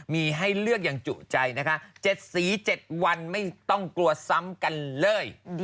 มีให้เลือกอย่างจุใจนะคะ๗สี๗วันไม่ต้องกลัวซ้ำกันเลย